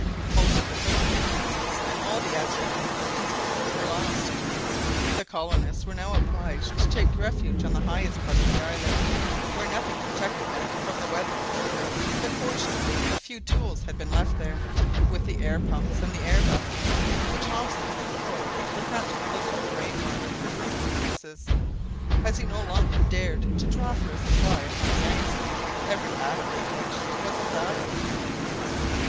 Most of the cooking utensils and all the astronomical instruments were lost. The colonists were now obliged to take refuge on the highest part of the islet, where nothing protected them from the weather, but fortunately a few tools had been left there, with the air pumps and the air vessel, which Hobson had employed for catching a little of the rain water for drinking purposes, as he no longer dared to draw for a supply upon the ice, every atom of which was of value.